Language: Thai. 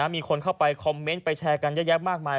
มีคนเข้าไปคอมเมนต์ไปแชร์กันเยอะแยะมากมาย